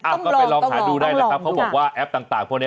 ต้องลองต้องลองดูนะต้องลองดูนะก็ไปลองหาดูได้นะครับเขาบอกว่าแอปต่างพวกนี้